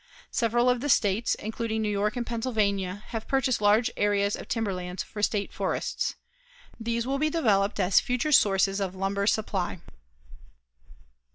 Several of the States, including New York and Pennsylvania, have purchased large areas of timberlands for State forests. These will be developed as future sources of lumber supply.